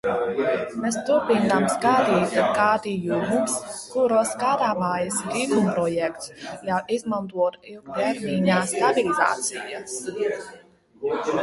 Mēs turpinām skatīt gadījumus, kuros skatāmais likumprojekts ļauj izmantot ilgtermiņa stabilizācijas rezerves līdzekļus.